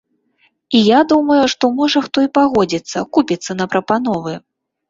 І я думаю, што, можа, хто і пагодзіцца, купіцца на прапановы.